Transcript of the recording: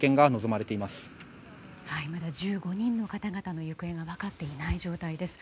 まだ１５人の方々の行方が分かっていない状態です。